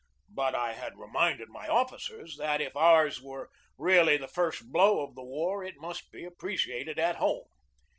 But I had reminded my officers that if ours were really the first blow of the war, it must be appreciated at home.